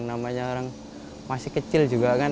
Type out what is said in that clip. namanya orang masih kecil juga kan